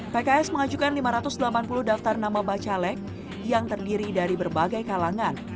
pks mengajukan lima ratus delapan puluh daftar nama bacalek yang terdiri dari berbagai kalangan